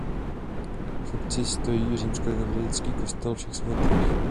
V obci stojí římskokatolický kostel Všech svatých.